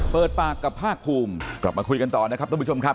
เปิดปากกับภาคภูมิกลับมาคุยกันต่อนะครับทุกผู้ชมครับ